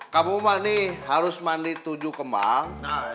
kamu mah nih harus mandi tujuh kemang